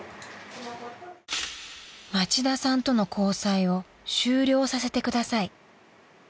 ［「町田さんとの交際を終了させてください」］